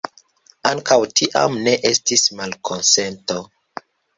Ankaŭ tiam ne estis malkonsento.